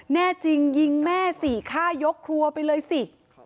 แน่จริงยิงแม่สี่ฆ่ายกครัวไปเลยสิ